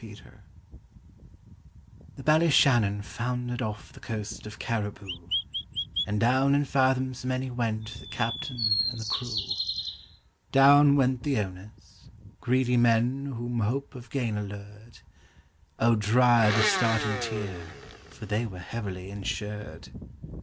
THE Ballyshannon foundered off the coast of Cariboo, And down in fathoms many went the captain and the crew; Down went the owners—greedy men whom hope of gain allured: Oh, dry the starting tear, for they were heavily insured.